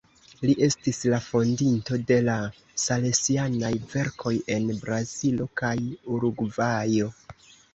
Li estis la fondinto de la salesianaj verkoj en Brazilo kaj Urugvajo.